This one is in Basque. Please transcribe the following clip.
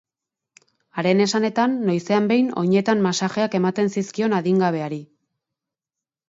Haren esanetan, noizean behin oinetan masajeak ematen zizkion adingabeari.